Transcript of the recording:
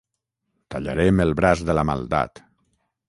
Tallarem el braç de la maldat.